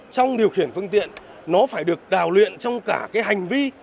trong điều khiển phương tiện nó phải được đào luyện trong cả cái hành vi